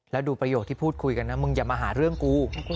แล้วดูประโยคที่พูดคุยกันนะมึงอย่ามาหาเรื่องกู